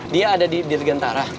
dia ada di ngerntara